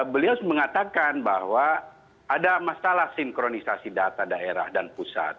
beliau mengatakan bahwa ada masalah sinkronisasi data daerah dan pusat